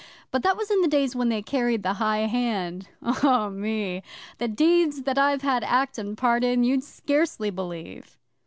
But that was in the days when they carried the high hand. Oh, me! The deeds that I've had act and part in, you'd scarcely believe!